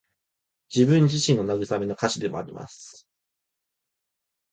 自分自身への慰めの歌詞でもあります。